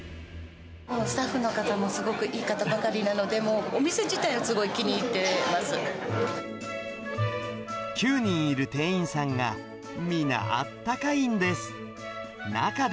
スタッフの方もすごくいい方ばかりなので、もう、９人いる店員さんが、皆、あったかいんです。